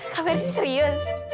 kak mercy serius